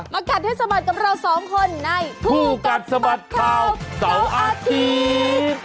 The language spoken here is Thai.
กัดให้สะบัดกับเราสองคนในคู่กัดสะบัดข่าวเสาร์อาทิตย์